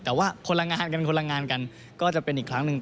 แต่ว่าคนละงานกันเป็นคนละงานกันก็จะเป็นอีกครั้งหนึ่ง